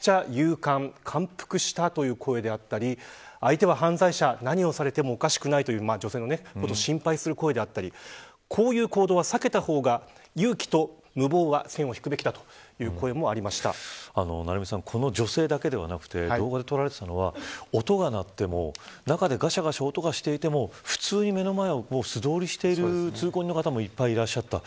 ＳＮＳ上ではめちゃくちゃ勇敢感服した、という声であったり相手は犯罪者、何をされてもおかしくないという、女性を心配する声であったりこういう行動は避けた方が勇気と無謀は線を引くべきこの女性だけではなくこの動画で撮られていたのは音が鳴っても中でガシャガシャ音がしていても目の前を素通りしている通行人の方もいらっしゃった。